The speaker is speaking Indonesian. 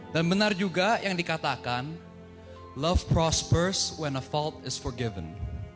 dan benar juga yang dikatakan love prospers when a fault is forgiven